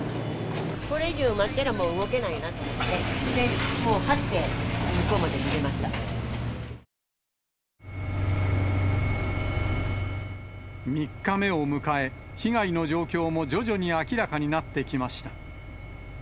これ以上埋まったら、もう動けないなと思って、もう、３日目を迎え、被害の状況も徐々に明らかになってきました。